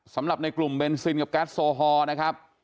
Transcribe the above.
สำหรับในกลุ่มเบนซินกับแก๊สโซฮอล์นะครับ